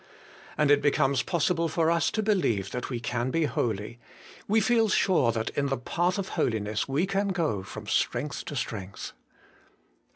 And it becomes possible for us to believe that we can be holy : we feel sure that in the path of holiness we can go from strength to strength.